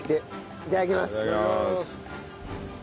いただきます。